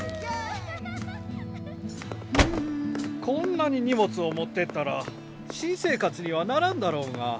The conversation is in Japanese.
こんなに荷物を持ってったら新生活にはならんだろうが。